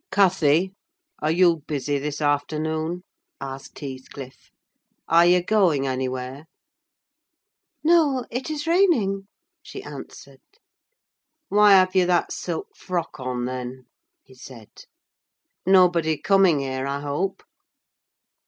"Cathy, are you busy this afternoon?" asked Heathcliff. "Are you going anywhere?" "No, it is raining," she answered. "Why have you that silk frock on, then?" he said. "Nobody coming here, I hope?"